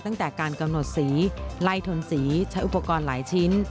ตั้งแต่การกำหนดสีไล่ทนสีใช้อุปกรณ์หลายชิ้น